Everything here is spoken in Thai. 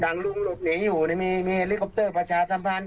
ลุงหลบหนีอยู่มีเฮลิคอปเตอร์ประชาสัมพันธ์